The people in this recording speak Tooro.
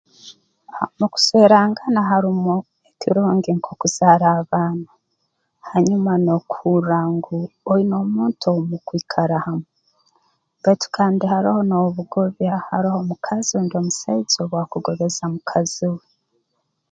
Mu kuswerangana harumu ekirungi nk'okuzaara abaana hanyuma n'okuhurra ngu oine omuntu ou mukwikara hamu baitu kandi haroho n'obugobya haroho omukazi rundi omusaija obu akugobeza mukazi we